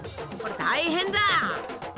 大変だ！